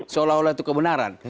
seolah olah itu kebenaran